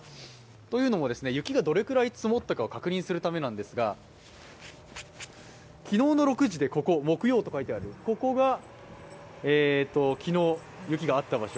というのも、雪がどれぐらい積もったかを確認するためなんですが昨日のの６時で、木曜と書いてある場所が昨日の雪のあった場所。